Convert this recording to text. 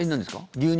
牛乳？